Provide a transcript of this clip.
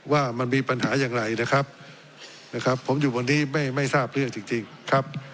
ว่ามันมีปัญหาอย่างไรนะครับนะครับผมอยู่บนนี้ไม่ทราบเรื่องจริงครับ